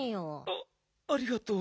あありがとう。